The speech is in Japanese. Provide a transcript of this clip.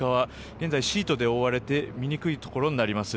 現在、シートに覆われて見にくいところになります。